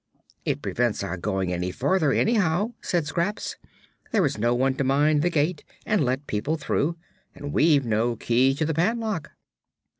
"It prevents our going any farther, anyhow," said Scraps. "There is no one to mind the gate and let people through, and we've no key to the padlock."